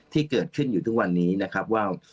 ที่เกิดขึ้นอยู่ทุกวันนี้นะครับว่า